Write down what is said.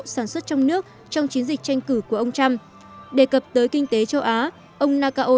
sản xuất trong nước trong chiến dịch tranh cử của ông trump đề cập tới kinh tế châu á ông nakao